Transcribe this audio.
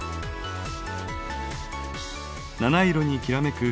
七色にきらめく